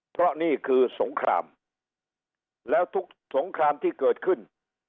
เพราะนี่คือสงครามแล้วทุกสงครามที่เกิดขึ้น